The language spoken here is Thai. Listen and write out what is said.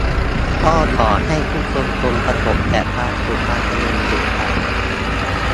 ก็ขอให้ทุกคนจงประสบแต่ความสุขความเจริญสืบไป